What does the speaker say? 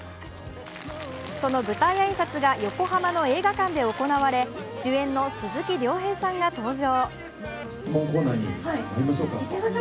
その舞台挨拶が横浜の映画館で行われ、主演の鈴木亮平さんが登場。